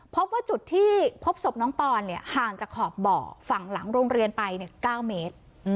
เพราะว่าจุดที่พบสมน้องปอนเนี่ยห่างจากขอบบ่อฝั่งหลังโรงเรียนไปเนี่ย๙เมตร